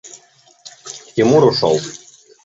Тимур ушел.